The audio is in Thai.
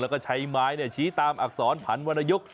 แล้วก็ใช้ไม้ชี้ตามอักษรผันวรรณยก